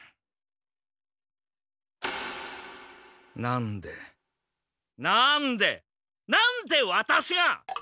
なんでなんでなんでワタシが！